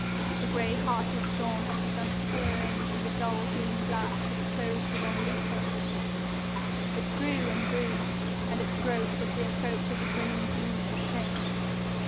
The gray heartless dawn had begun to peer in through the dull green glass that closed the one loophole. It grew and grew, and its growth was the approach of the grinning demon of shame.